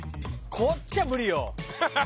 こっちは無理よ